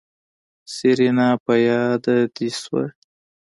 سېرېنا په ياده دې شوه.